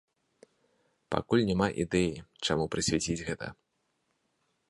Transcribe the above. Пакуль няма ідэі, чаму прысвяціць гэта.